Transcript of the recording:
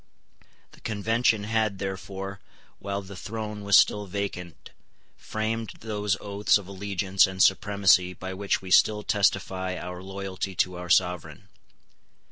The Convention had therefore, while the throne was still vacant, framed those oaths of allegiance and supremacy by which we still testify our loyalty to our Sovereign.